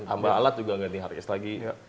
tambah alat juga ganti hardcase lagi